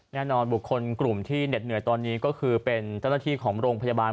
แน่นอนบุคคลกลุ่มที่เหน็ดเหนื่อยตอนนี้ก็คือเป็นเจ้าหน้าที่ของโรงพยาบาล